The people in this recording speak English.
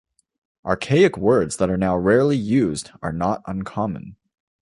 Archaic words that are now rarely used are not uncommon.